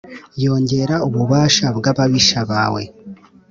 yongera ububasha bw’ababisha bawe.